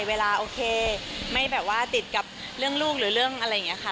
เวลาโอเคไม่แบบว่าติดกับเรื่องลูกหรือเรื่องอะไรอย่างนี้ค่ะ